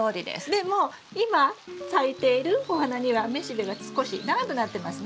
でも今咲いているお花には雌しべが少し長くなってますね。